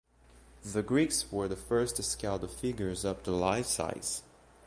The Greeks were the first to scale the figures up to life size.